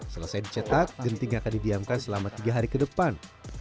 selesai dicetak genting akan didiamkan selama tiga hari ke depan